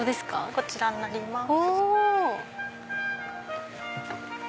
こちらになります。